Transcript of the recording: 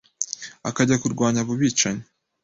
akajya kurwanya abo bicanyi